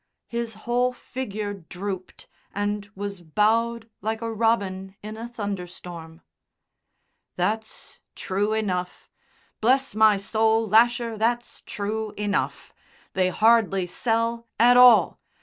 His whole figure drooped and was bowed like a robin in a thunderstorm. "That's true enough. Bless my soul, Lasher, that's true enough. They hardly sell at all.